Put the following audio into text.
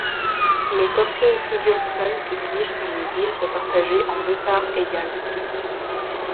Mais Thorfinn Sigurdsson exige que les îles soient partagées en deux parts égales.